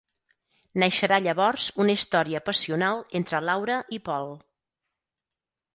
Naixerà llavors una història passional entre Laura i Paul.